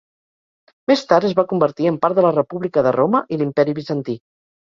Més tard es va convertir en part de la República de Roma i l"Imperi Bizantí.